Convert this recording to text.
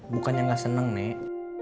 bukannya gak senang nek